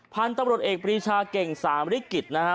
พันธุ์ตำรวจเอกปรีชาเก่งสามริกิจนะฮะ